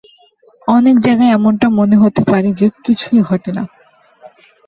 অনেক জায়গায় এমনটা মনে হতে পারে যে, কিছুই ঘটে না।